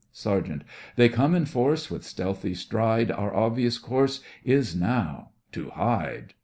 SERGEANT: They come in force, with stealthy stride, Our obvious course is now—to hide.